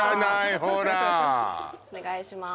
ほらお願いします